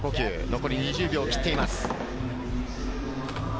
残り２０秒を切っています。